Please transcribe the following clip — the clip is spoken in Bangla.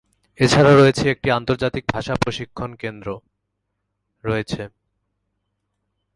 এছাড়া রয়েছে একটি আন্তর্জাতিক ভাষা প্রশিক্ষণ কেন্দ্র রয়েছে।